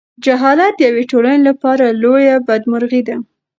جهالت د یوې ټولنې لپاره لویه بدمرغي ده.